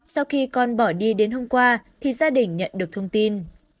sau khi con bỏ đi đến hôm qua thì gia đình nhận được thông tin